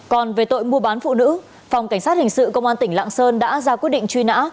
còn về tội mua bán phụ nữ phòng cảnh sát hình sự công an tỉnh lạng sơn đã ra quyết định truy nã